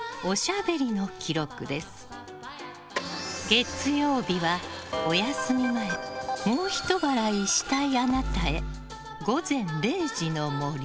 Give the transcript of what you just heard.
月曜日は、お休み前もうひと笑いしたいあなたへ。